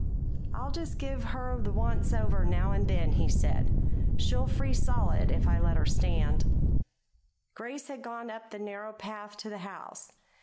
"I'll just give her the 'once over' now and then," he said. "She'll freeze solid if I let her stand." Grace had gone up the narrow path to the house.